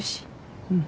うん。